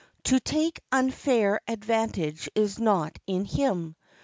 To take unfair advantage is not in him.